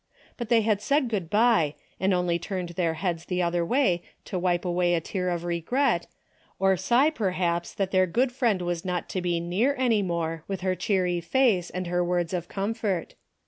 But they had said good bye, and only turned their heads the other way to wipe away a tear of regret, or sigh perhaps that their good friend was not to be near any more with her cheery face and her words of comfort.